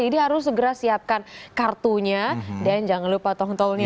jadi harus segera siapkan kartunya dan jangan lupa tong tolnya ya